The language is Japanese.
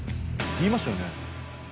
言いましたよね？